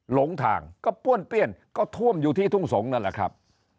หลงทางก็ป้วนเปี้ยนก็ท่วมอยู่ที่ทุ่งสงศ์นั่นแหละครับ